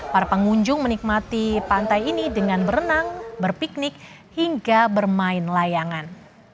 para pengunjung menikmati pantai ini dengan berenang berpiknik hingga bermain layangan